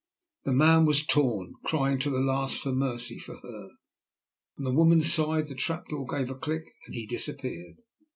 The man was torn, crying to the last for mercy for her, from the woman's side, the trap door gave a click, and he disappeared.